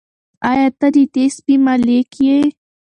آیا ته د دې سپي مالیک یې؟